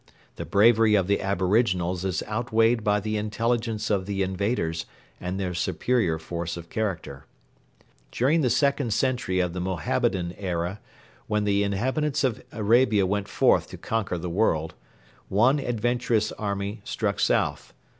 The bravery of the aboriginals is outweighed by the intelligence of the invaders and their superior force of character. During the second century of the Mohammedan era, when the inhabitants of Arabia went forth to conquer the world, one adventurous army struck south.